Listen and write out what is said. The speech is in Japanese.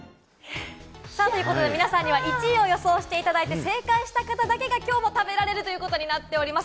皆さんには１位を予想していただいて、正解した方だけが今日も食べられるということになっております。